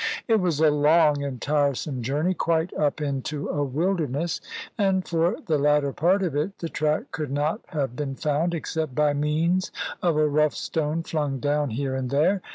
It was a long and tiresome journey, quite up into a wilderness; and, for the latter part of it, the track could not have been found, except by means of a rough stone flung down here and there.